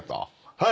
はい。